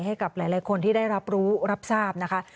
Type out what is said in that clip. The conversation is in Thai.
ให้กับหลายคนที่ได้รับรู้รับทราบนะคะ